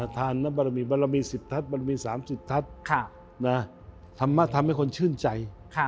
ทานบารมีสิบทัศน์บารมีสามสิบทัศน์ทำให้คนชื่นใจ